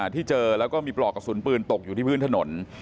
ที่เจอแล้วก็มีปลอกกระสุนปืนตกอยู่ที่พื้นถนน